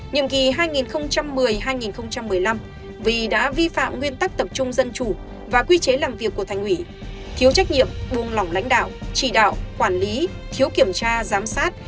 nhiệm kỳ hai nghìn một mươi hai nghìn một mươi năm vì đã vi phạm nguyên tắc tập trung dân chủ và quy chế làm việc của thành ủy thiếu trách nhiệm buông lỏng lãnh đạo chỉ đạo quản lý thiếu kiểm tra giám sát